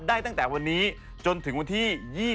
ตั้งแต่วันนี้จนถึงวันที่๒๒